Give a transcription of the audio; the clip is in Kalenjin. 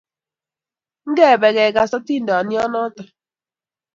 Ngepe kegas atindyo notok